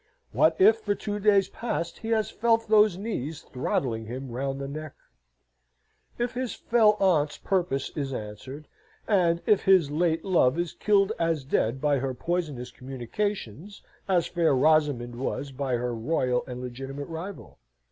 What if for two days past he has felt those knees throttling him round the neck? if his fell aunt's purpose is answered, and if his late love is killed as dead by her poisonous communications as fair Rosamond was by her royal and legitimate rival?